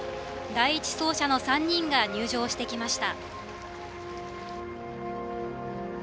第１走者の３人が入場してきました。